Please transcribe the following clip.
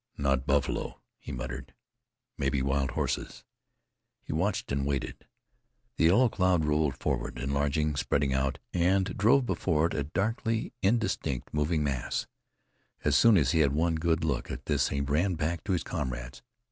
"Not buffalo," he muttered, "maybe wild horses." He watched and waited. The yellow cloud rolled forward, enlarging, spreading out, and drove before it a darkly indistinct, moving mass. As soon as he had one good look at this he ran back to his comrades.